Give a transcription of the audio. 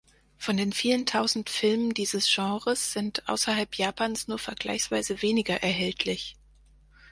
Von den vielen tausend Filmen dieses Genres sind außerhalb Japans nur vergleichsweise wenige erhältlich.